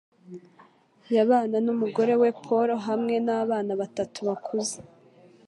Yabana n'umugabo we, Paul, hamwe n'abana batatu bakuze